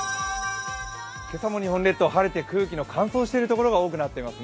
今朝も日本列島晴れて空気の乾燥してるところが多くなってますね。